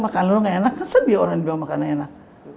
makan luar enggak enak kan sedih orang bilang makan enak